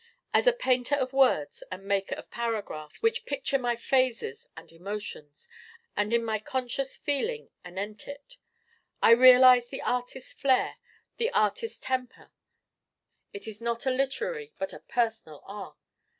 As a painter of words and maker of paragraphs which picture my phases and emotions, and in my conscious feeling anent it, I realize the artist flair, the artist temper. It is not a literary but a personal art.